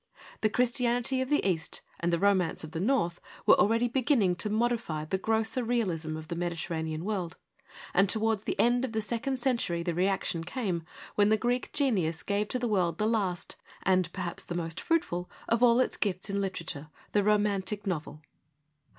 The Christianity of the East and the romance of the North were already beginning to modify the grosser realism of the Mediterranean world, and towards the end of the second century the reaction came, when the Greek genius gave to the world the last, and perhaps the most fruitful, of all its gifts in literature — the romantic novel.